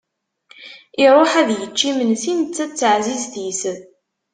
Iruḥ ad yečč imensi netta d teɛzizt-is.